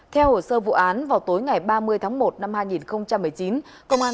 theo hồ sơ vụ án vào tối ngày ba mươi tháng một năm hai nghìn một mươi chín